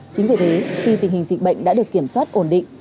chính vì thế khi tình hình dịch bệnh đã được kiểm soát ổn định